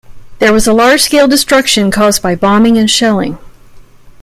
There was a large-scale destruction caused by bombing and shelling.